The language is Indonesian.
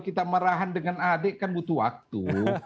kita marahan dengan adik kan butuh waktu